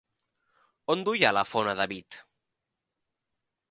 On duia la fona David?